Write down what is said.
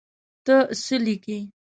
ته څه لیکې.